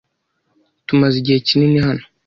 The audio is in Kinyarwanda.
Tumaze igihe kinini hano.